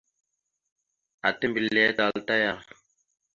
Ata mbelle atal ata aya.